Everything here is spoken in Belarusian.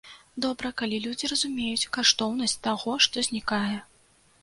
Добра, калі людзі разумеюць каштоўнасць таго, што знікае.